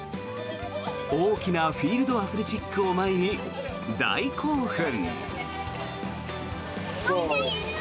大きなフィールドアスレチックを前に大興奮。